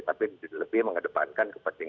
tapi lebih mengedepankan kepentingan